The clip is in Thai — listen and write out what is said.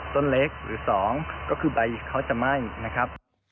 ต้นเล็กหรือ๒ก็คือใบเขาจะไหม้นะครับ